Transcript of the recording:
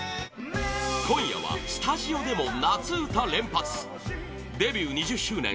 今夜はスタジオでも夏うた連発デビュー２０周年